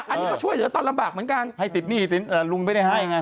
อันนี้ก็ช่วยเหลือตอนลำบากเหมือนกันให้ติดหนี้สินลุงไม่ได้ให้ไง